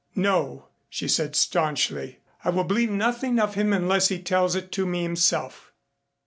"No," she said staunchly. "I will believe nothing of him unless he tells it to me himself."